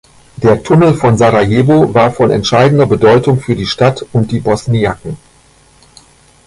Der Tunnel von Sarajevo war von entscheidender Bedeutung für die Stadt und die Bosniaken.